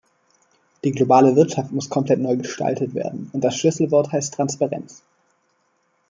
Die globale Wirtschaft muss komplett neu gestaltet werden, und das Schlüsselwort heißt Transparenz.